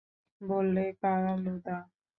বললে, কালুদা!